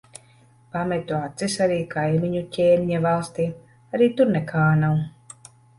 Pametu acis arī kaimiņu ķēniņa valstī. Arī tur nekā nav.